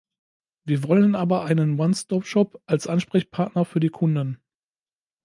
Wir wollen aber einen One-Stop-Shop als Ansprechpartner für die Kunden.